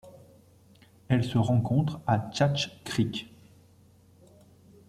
Elle se rencontre à Thatch Creek.